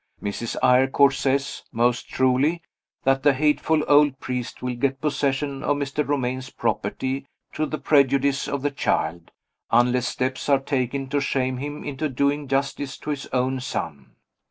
Mrs. Eyrecourt says, most truly, that the hateful old priest will get possession of Mr. Romayne's property, to the prejudice of the child, unless steps are taken to shame him into doing justice to his own son.